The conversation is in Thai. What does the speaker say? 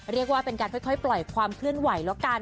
เรียกว่าเป็นการค่อยปล่อยความเคลื่อนไหวแล้วกัน